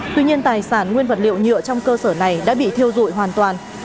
tuy nhiên tài sản nguyên vật liệu nhựa trong cơ sở này đã bị thiêu dụi hoàn toàn